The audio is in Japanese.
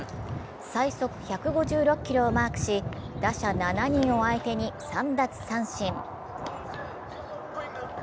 最速１５６キロをマークし、打者７人を相手に３奪三振。